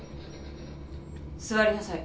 座りなさい。